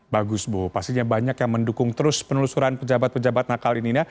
bagus bu pastinya banyak yang mendukung terus penelusuran pejabat pejabat nakal ini